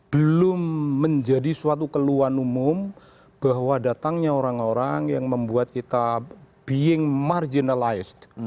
belum menjadi suatu keluhan umum bahwa datangnya orang orang yang membuat kita being marginalized